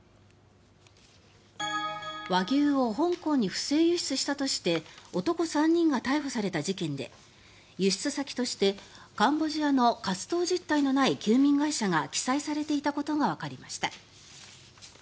和牛を香港に不正輸出したとして男３人が逮捕された事件で輸出先としてカンボジアの活動実態のない休眠会社が記載されていたことがわかりました。